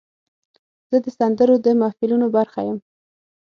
زه د سندرو د محفلونو برخه یم.